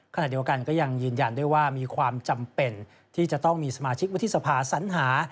ขณะเดียวกันก็ยังยืนยันด้วยว่ามีความจำเป็นที่จะต้องมีสมาชิกวุฒิสภาสัญหา